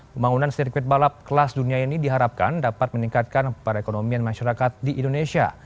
pembangunan sirkuit balap kelas dunia ini diharapkan dapat meningkatkan para ekonomi dan masyarakatnya